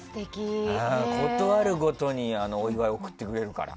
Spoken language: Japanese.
事あるごとにお祝い送ってくれるから。